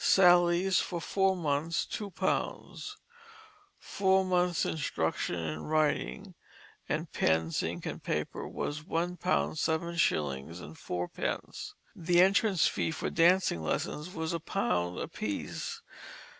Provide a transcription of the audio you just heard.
Sally's for four months, two pounds. Four months' instruction in writing (and pens, ink, and paper) was one pound seven shillings and four pence. The entrance fee for dancing lessons was a pound apiece.